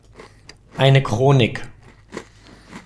Eine Chronik.